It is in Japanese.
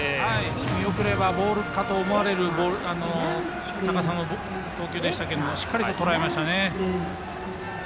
見送ればボールかと思われる高さの投球でしたけどしっかりとらえましたね。